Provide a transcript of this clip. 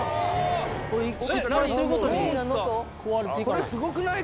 これすごくない？